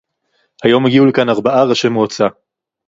היום הגיעו לכאן ארבעה ראשי מועצה